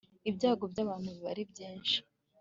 Ibyago byabantu biba ari byinshi